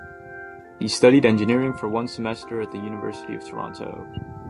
He studied engineering for one semester at the University of Toronto.